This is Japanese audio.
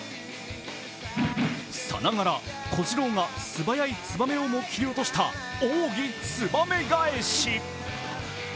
さながら小次郎が素早いつばめをも切り落とした奥義つばめ返し。